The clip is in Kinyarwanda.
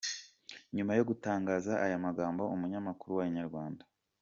Nyuma yo gutangaza aya magambo umunyamakuru wa Inyarwanda.